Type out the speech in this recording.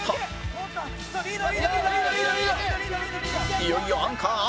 いよいよアンカー淳！